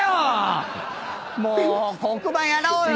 もう黒板やろうよ。